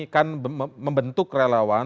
kan membentuk relawan